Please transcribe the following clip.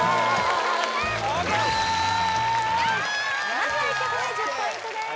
まずは１曲目１０ポイントです